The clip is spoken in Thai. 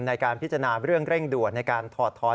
ในการพิจารณาเรื่องเร่งด่วนในการถอดทอน